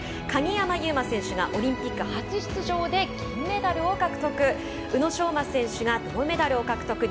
鍵山優真選手がオリンピック初出場で銀メダルを獲得宇野昌磨選手が銅メダルを獲得